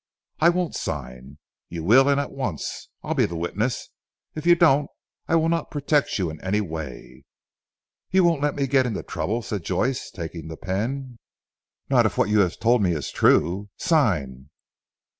"I won't sign." "You will, and at once. I will be the witness. If you don't I will not protect you in any way." "You won't let me get into trouble?" said Joyce taking the pen. "Not if what you have told me is true. Sign."